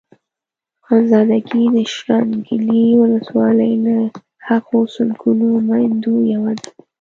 خانزادګۍ د شانګلې ولسوالۍ له هغو سلګونو ميندو يوه ده.